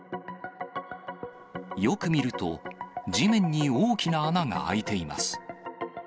よく見ると、地面に大きな穴が開いています。